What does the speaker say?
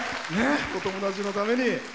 お友達のために。